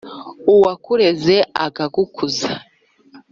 Uwakureze akagukuza